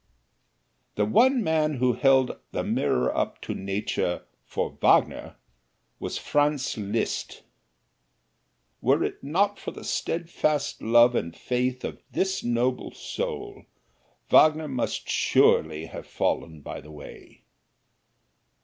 The one man who held the mirror up to Nature for Wagner was Franz Liszt. Were it not for the steadfast love and faith of this noble soul, Wagner must surely have fallen by the way.